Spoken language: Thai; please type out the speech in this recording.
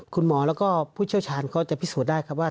คุณหมอแล้วก็ผู้เชี่ยวชาญเขาจะพิสูจน์ได้ครับว่า